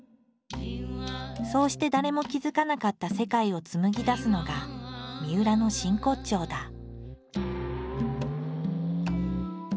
そうして誰も気付かなかった世界を紡ぎ出すのがみうらの真骨頂だ。